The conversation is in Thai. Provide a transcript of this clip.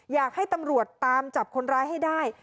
อยากให้ตำรวจตามจับคนร้ายให้ได้